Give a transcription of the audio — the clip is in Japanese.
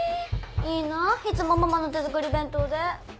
いいなぁいつもママの手作り弁当で。